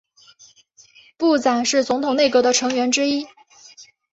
部长是总统内阁的成员之一。